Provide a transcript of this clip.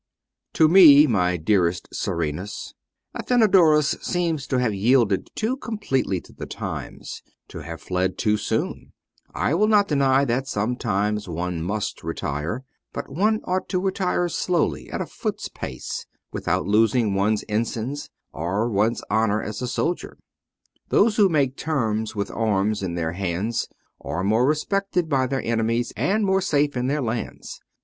To me, my dearest Serenas, Athenodorus seems to have yielded too completely to the times, to have fled too soon : I will not deny that sometimes one must retire, but one ought to retire slowly, at a foot's pace, without losing one's ensigns or one's honour as a soldier : those who make terms with arms in their hands are more respected by their enemies and more safe in their hands.